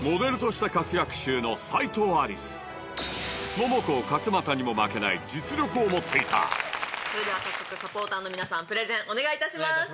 モモコ勝俣にもを持っていたそれでは早速サポーターの皆さんプレゼンお願いいたします。